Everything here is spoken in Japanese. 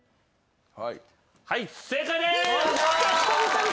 はい正解です！